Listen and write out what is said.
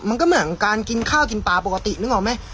มันก็เหมือนการกินข้าวกินปลาปกตินึกออกไหม